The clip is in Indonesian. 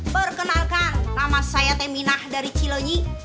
perkenalkan nama saya teh minah dari cilonyi